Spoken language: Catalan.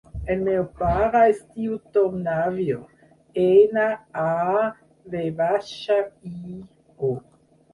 El meu pare es diu Tom Navio: ena, a, ve baixa, i, o.